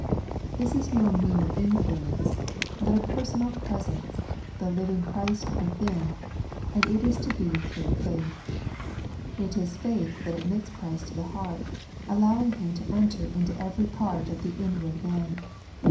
This is no mere influence, but a Personal Presence, the Living Christ within, and it is to be " through faith." It is faith that admits Christ to the heart, allowing Him to enter into every part of the " inward man."